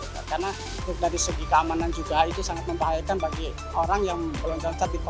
karena dari segi keamanan juga itu sangat membahayakan bagi orang yang loncat di kolam